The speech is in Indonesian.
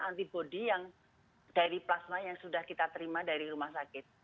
antibody yang dari plasma yang sudah kita terima dari rumah sakit